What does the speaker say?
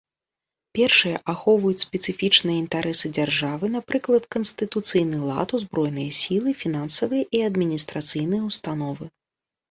Першыя ахоўваюць спецыфічныя інтарэсы дзяржавы, напрыклад, канстытуцыйны лад, узброеныя сілы, фінансавыя і адміністрацыйныя ўстановы.